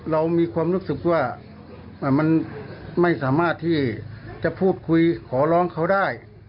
เรามีความรู้สึกว่ามันไม่สามารถที่จะพูดคุยขอร้องเขาได้